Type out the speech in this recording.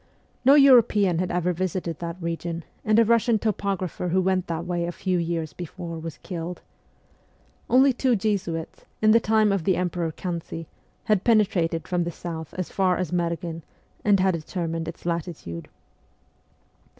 No European had ever visited that region, and a Russian topographer who went that way a few years before was killed. Only two Jesuits, in the time of the emperor Kan si, had penetrated from the south as far as Merghen, and had determined its latitude.